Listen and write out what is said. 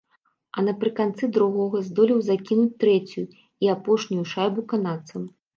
А напрыканцы другога здолеў закінуць трэцюю і апошнюю шайбу канадцаў.